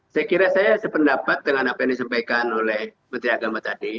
saya kira saya sependapat dengan apa yang disampaikan oleh menteri agama tadi